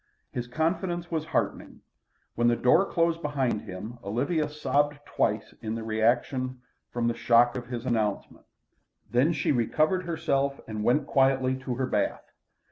His confidence was heartening. When the door closed behind him Olivia sobbed twice in the reaction from the shock of his announcement. Then she recovered herself and went quietly to her bath.